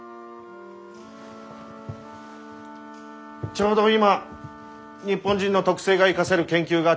ちょうど今日本人の特性が生かせる研究が注目を浴びている。